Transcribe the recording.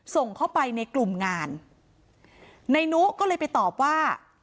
ส่งเข้าไปในกลุ่มงานในนุก็เลยไปตอบว่า